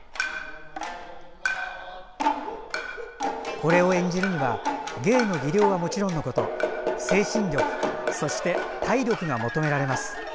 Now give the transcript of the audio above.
これを演じるには芸の技量はもちろんのこと精神力、そして体力が求められます。